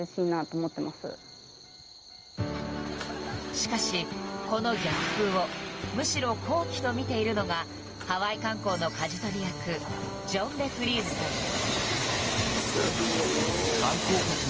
しかし、この逆風をむしろ好機とみているのがハワイ観光のかじ取り役ジョン・デ・フリーズさんです。